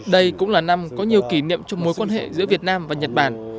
đây cũng là năm có nhiều kỷ niệm trong mối quan hệ giữa việt nam và nhật bản